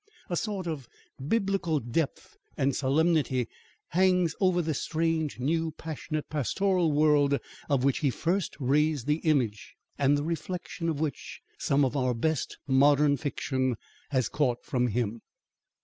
A sort of biblical depth and solemnity hangs over this strange, new, passionate, pastoral world, of which he first raised the image, and the reflection of which some of our best modern fiction has caught from him.